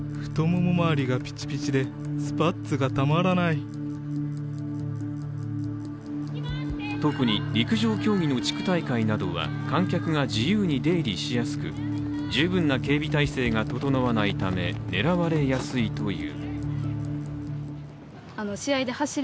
ＳＮＳ上では特に陸上競技の地区大会などは観客が自由に出入りしやすく、十分な警備態勢が整わないため狙われやすいという。